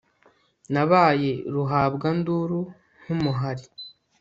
nabaye ruhabwanduru nk'umuhari